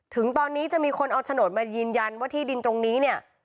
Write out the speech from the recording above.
ถึงตอนนี้จะมีคนเอาโฉนดมายืนยันว่าที่ดินตรงนี้เนี่ย